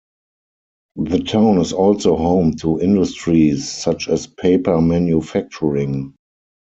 The town is also home to industries such as paper manufacturing.